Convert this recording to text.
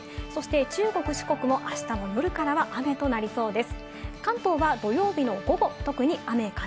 中国、四国も明日の夜からは雨となりそうです。